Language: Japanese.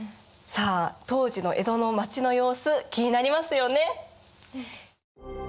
さあ当時の江戸の町の様子気になりますよね！？